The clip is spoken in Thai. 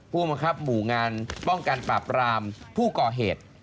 ผู้บังคับหมู่งานป้องกันปราบรามผู้ก่อเหตุ